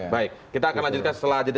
baik kita akan lanjutkan setelah jeda